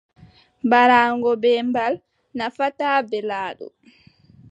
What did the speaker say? Ɓaraago beembal nafataa beelaaɗo.